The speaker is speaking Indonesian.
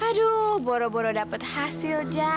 aduh boro boro dapet hasil ja